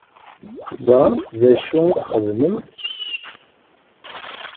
Teẓṛamt d acu i txeddmemt?